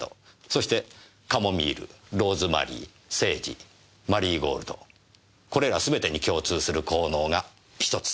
そしてカモミールローズマリーセージマリーゴールドこれらすべてに共通する効能が１つ。